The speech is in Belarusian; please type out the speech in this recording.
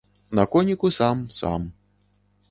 На коніку сам, сам.